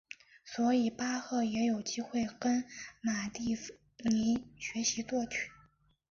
所以巴赫也有机会跟马蒂尼学习作曲。